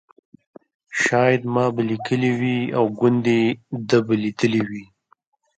شایي ما به لیکلي وي او ګوندې ده به لیدلي وي.